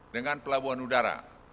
dengan pelabuhan udara